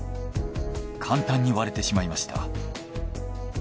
簡単に割れてしまいました。